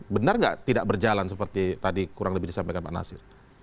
benar nggak tidak berjalan seperti tadi kurang lebih disampaikan pak nasir